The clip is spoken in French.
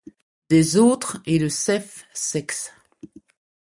des autres et le safesex.